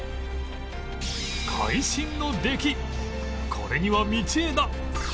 これには道枝